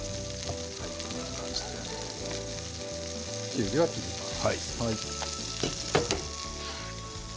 こういう感じできゅうりは切ります。